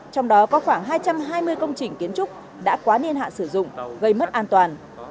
trong đó có khoảng hai trăm hai mươi công trình kiến trúc đã quá niên hạn sử dụng gây mất an toàn